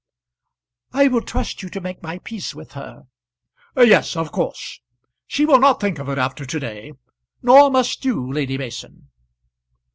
"I will trust you to make my peace with her." "Yes, of course; she will not think of it after to day; nor must you, Lady Mason."